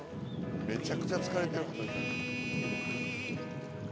めちゃくちゃ疲れてる。